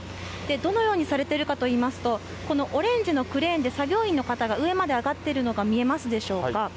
どのようにされてるかといいますと、このオレンジのクレーンで作業員の方が上まで上がってるのが見えますでしょうか。